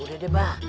udah deh bah